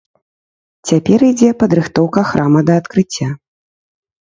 Цяпер ідзе падрыхтоўка храма да адкрыцця.